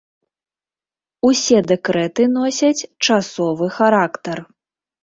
Усе дэкрэты носяць часовы характар.